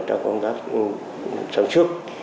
trong công tác sản xuất